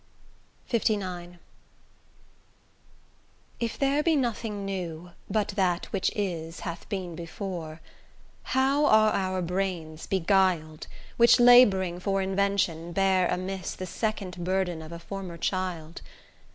LIX If there be nothing new, but that which is Hath been before, how are our brains beguil'd, Which labouring for invention bear amiss The second burthen of a former child!